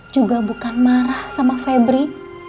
juga bukan marah sama febri